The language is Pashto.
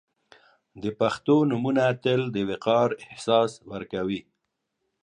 • د پښتو نومونه تل د وقار احساس ورکوي.